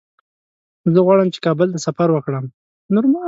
زه غواړم چې کابل ته سفر وکړم.